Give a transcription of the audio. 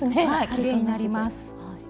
はいきれいになります。